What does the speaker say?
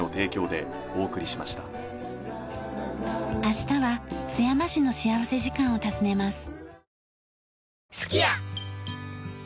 明日は津山市の幸福時間を訪ねます。